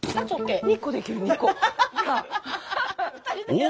お！